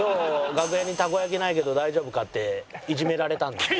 「楽屋にたこ焼きないけど大丈夫か？」っていじめられたんですよ。